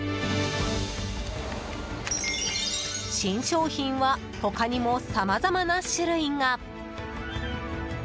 新商品は他にもさまざまな種類が。